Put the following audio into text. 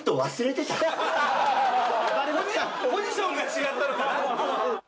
ポジションが違ったのかな？